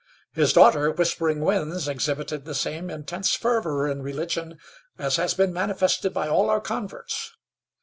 His daughter, Whispering Winds, exhibited the same intense fervor in religion as has been manifested by all our converts.